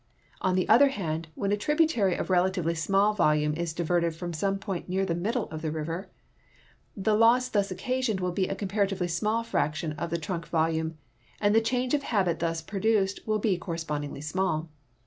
On the other hand, when a tributary of relatively small volume is diverted from some point near the middle of the main river, the loss thus occasioned will be a comparatively small fraction of tlie trunk volume, and tlie change of habit thus produced will be corresi)ondingly small.